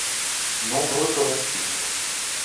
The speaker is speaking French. Nombreux correctifs.